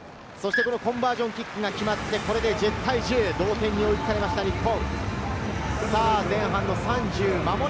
コンバージョンキックが決まって、これで１０対１０、同点に追いつかれました、日本。